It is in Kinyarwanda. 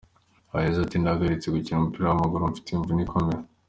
Yagize ati “ Nahagaritse gukina umupira w’amaguru mfite imvune ikomeye.